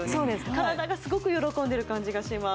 体がスゴく喜んでる感じがします